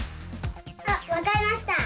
あわかりました！